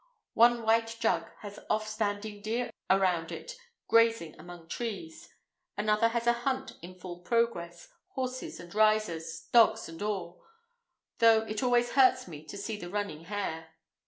One white jug has off standing deer around it, grazing among trees. Another has a hunt in full progress, horses and riders, dogs and all—though it always hurts me to see the running hare.